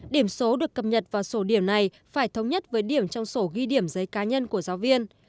điểm số được cập nhật vào số điểm này phải thống nhất với điểm trong sổ ghi điểm giấy cá nhân của giáo viên